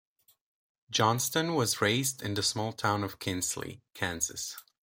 Johnston was raised in the small town of Kinsley, Kansas.